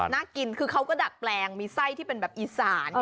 น่ากินคือเขาก็ดัดแปลงมีไส้ที่เป็นแบบอีสาน